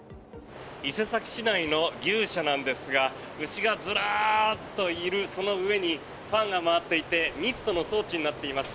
伊勢崎市内の牛舎なんですが牛がずらっといる、その上にファンが回っていてミストの装置になっています。